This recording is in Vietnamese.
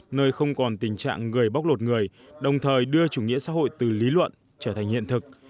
nơi không còn tình trạng người bóc lột người đồng thời đưa chủ nghĩa xã hội từ lý luận trở thành hiện thực